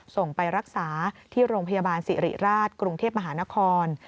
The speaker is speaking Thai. ส่งไปรักษาที่โรงพยาบาลสิริราชกรุงเทพมหานคร